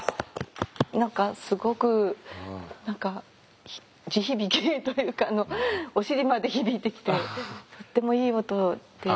何かすごく地響きというかお尻まで響いてきてとってもいい音で。